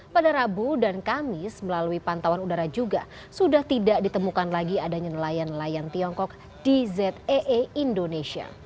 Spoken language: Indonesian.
pada rabu dan kamis melalui pantauan udara juga sudah tidak ditemukan lagi adanya nelayan nelayan tiongkok di zee indonesia